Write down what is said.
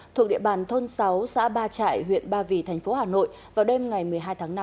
thuộc địa bàn thôn sáu xã ba trại huyện ba vì thành phố hà nội vào đêm ngày một mươi hai tháng năm